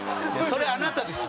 それあなたです。